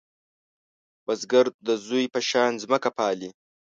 بزګر د زوی په شان ځمکه پالې